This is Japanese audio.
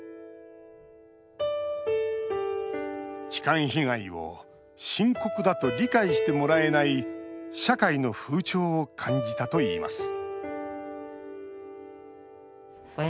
痴漢被害を深刻だと理解してもらえない社会の風潮を感じたといいます